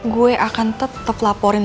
saya tetap akan melaporkan